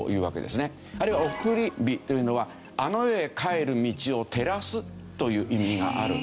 あるいは送り火というのはあの世へ帰る道を照らすという意味がある。